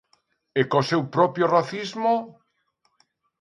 E co seu propio racismo?